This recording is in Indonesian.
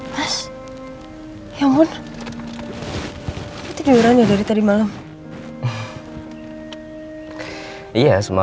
mas jelek aja banget ya